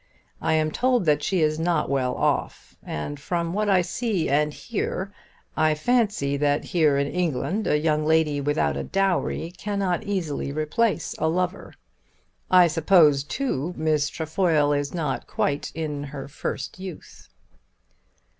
I am told that she is not well off; and from what I see and hear, I fancy that here in England a young lady without a dowry cannot easily replace a lover. I suppose, too, Miss Trefoil is not quite in her first youth."